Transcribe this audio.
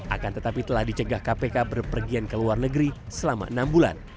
akan tetapi telah dicegah kpk berpergian ke luar negeri selama enam bulan